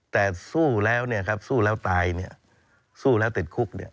แต่สู้แล้วตายสู้แล้วติดคุก